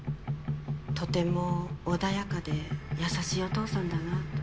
とても穏やかで優しいお父さんだなと。